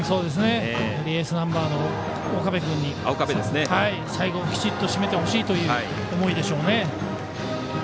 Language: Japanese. やはりエースナンバーの岡部君に最後きちっと締めてほしいという思いでしょうね。